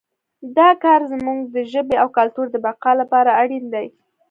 دا کار زموږ د ژبې او کلتور د بقا لپاره اړین دی